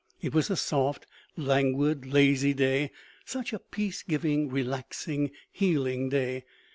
It was a soft, languid, lazy day. Such a peace giving, relaxing, healing day!